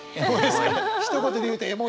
ひと言で言うとエモい！